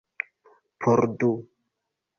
Por du.